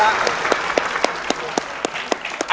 เอาละ